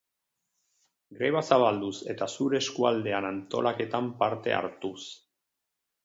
Greba zabalduz eta zure eskualdean antolaketan parte hartuz.